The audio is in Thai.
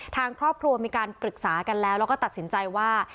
ทางครอบครัวมีการปรึกษากันแล้วแล้วก็ตัดสินใจว่า